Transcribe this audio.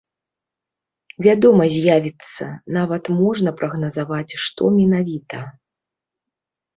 Вядома, з'явіцца, нават можна прагназаваць, што менавіта.